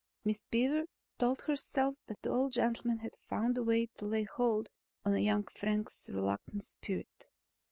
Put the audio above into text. Miss Beaver told herself that the old gentleman had found a way to lay hold on young Frank's reluctant spirit.